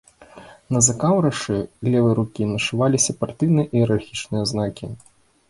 На закаўрашы левай рукі нашываліся партыйныя іерархічныя знакі.